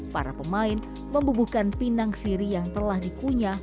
para pemain membubuhkan pinang siri yang telah dikunyah